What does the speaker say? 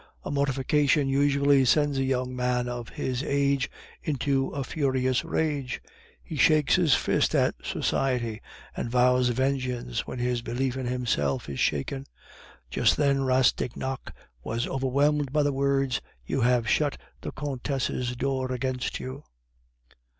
A mortification usually sends a young man of his age into a furious rage; he shakes his fist at society, and vows vengeance when his belief in himself is shaken. Just then Rastignac was overwhelmed by the words, "You have shut the Countess' door against you."